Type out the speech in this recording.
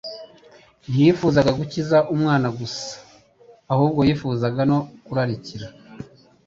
Ntiyifuzaga gukiza umwana gusa, ahubwo yifuzaga no kurarikira